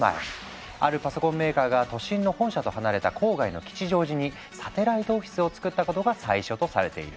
あるパソコンメーカーが都心の本社と離れた郊外の吉祥寺にサテライトオフィスをつくったことが最初とされている。